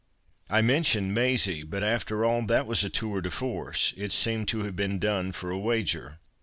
I mentioned ' Maisie,' but after all that was a tour de force, it seemed to have been done for a wager.